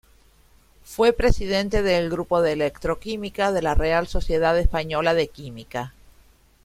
Fue presidente del grupo de Electroquímica de la Real Sociedad Española de Química.